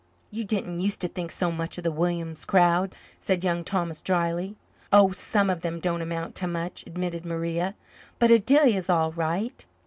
"You didn't use to think so much of the Williams crowd," said Young Thomas drily. "Oh, some of them don't amount to much," admitted Maria, "but Adelia is all right."